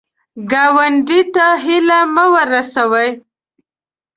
ګاونډي ته هیله مه ورسوې